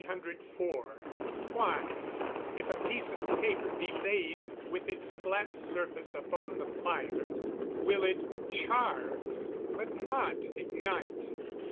_Why, if a piece of paper be laid with its flat surface upon the fire, will it "char," but not ignite?